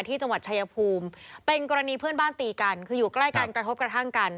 ที่จังหวัดชายภูมิเป็นกรณีเพื่อนบ้านตีกันคืออยู่ใกล้กันกระทบกระทั่งกัน